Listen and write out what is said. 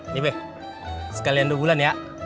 ini beh sekalian dua bulan ya